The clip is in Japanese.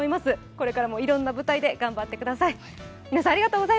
これからもいろんな舞台で頑張ってください。